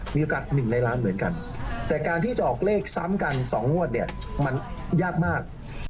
มีโอกาส๑ในล้านเหมือนกันแต่การที่จะออกเลขซ้ำกัน๒งวดเนี่ยมันยากมาก